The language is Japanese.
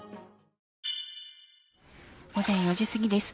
午前４時過ぎです。